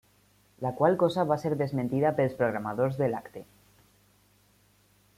La qual cosa va ser desmentida pels programadors de l'acte.